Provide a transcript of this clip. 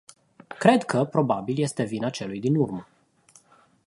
Cred că, probabil, este vina celui din urmă.